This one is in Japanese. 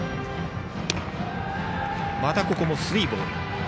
ここもスリーボール。